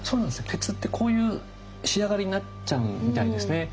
鉄ってこういう仕上がりになっちゃうみたいですね。